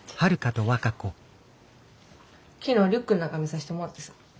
昨日リュックん中見させてもらってさ。